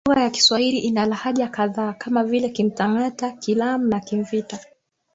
Lugha ya Kiswahili ina lahaja kadhaa kama vile Kimtang'ata, Kilamu, Kimvita